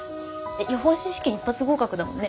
予報士試験一発合格だもんね。